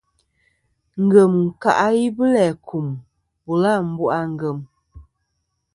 Ngem ka i bu læ kum bula àmbu' a ngèm.